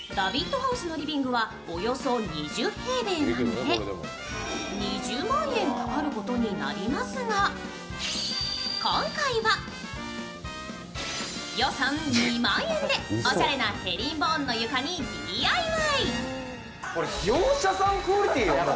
ハウスのリビングはおよそ２０平米なので、２０万円かかることになりますが今回は予算２万円でおしゃれなヘリンボーンの床にＤＩＹ。